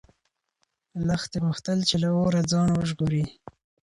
لښتې غوښتل چې له اوره ځان وژغوري.